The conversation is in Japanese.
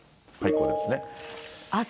これですね。